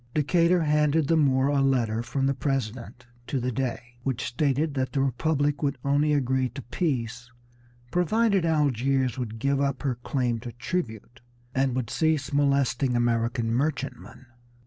Decatur handed the Moor a letter from the President to the Dey, which stated that the Republic would only agree to peace provided Algiers would give up her claim to tribute and would cease molesting American merchantmen.